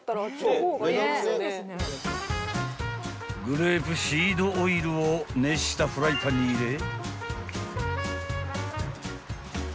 ［グレープシードオイルを熱したフライパンに入れ］